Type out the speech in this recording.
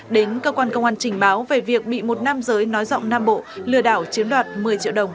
đến cơ quan công an trình báo về việc bị một nam giới nói rộng nam bộ lừa đảo chiếm đoạt một mươi triệu đồng